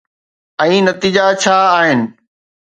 ۽ نتيجا ڇا آهن؟